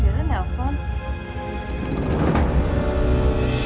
jangan ya om